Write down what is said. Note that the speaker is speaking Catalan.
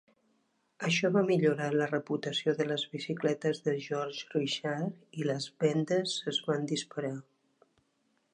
Això va millorar la reputació de les bicicletes de Georges-Richard i les vendes es van disparar.